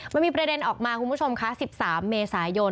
มันมีประเด็นออกมาคุณผู้ชมคะ๑๓เมษายน